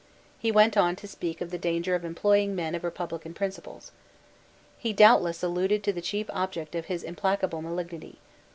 He went on to speak of the danger of employing men of republican principles. He doubtless alluded to the chief object of his implacable malignity.